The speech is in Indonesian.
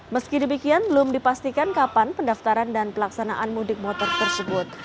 meski demikian belum dipastikan kapan pendaftaran dan pelaksanaan mudik motor tersebut